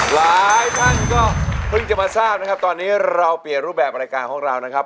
หลายท่านก็เพิ่งจะมาทราบนะครับตอนนี้เราเปลี่ยนรูปแบบรายการของเรานะครับ